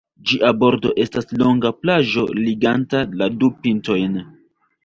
Ĝia bordo estas longa plaĝo liganta la du pintojn.